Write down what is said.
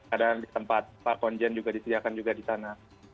ada di tempat pak konjen juga disediakan juga di sana